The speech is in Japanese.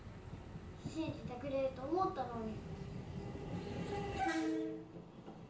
しんじてくれると思ったのに。